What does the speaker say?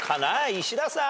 石田さん。